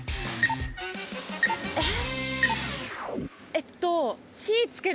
えっ！